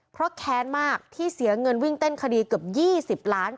เพราะแค้นมากที่เสียเงินวิ่งเต้นคดีเกือบ๒๐ล้าน